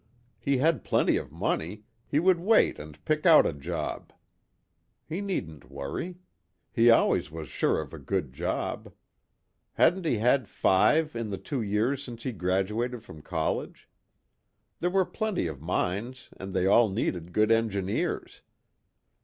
He had plenty of money, he would wait and pick out a job. He needn't worry. He always was sure of a good job. Hadn't he had five in the two years since he graduated from college? There were plenty of mines and they all needed good engineers.